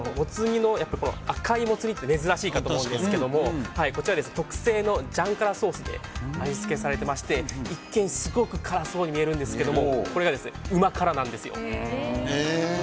赤いもつ煮って珍しいかと思うんですけど特製のジャン辛ソースで味付けされていまして一見、すごく辛そうに見えますがこれがうま辛なんですよ。